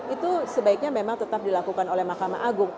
itu sebaiknya memang tetap dilakukan oleh mahkamah agung